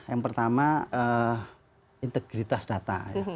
yang pertama integritas data